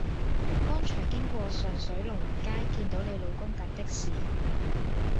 剛才經過上水龍運街見到你老公等的士